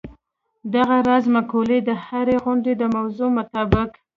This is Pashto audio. دغه راز مقولې د هرې غونډې د موضوع مطابق.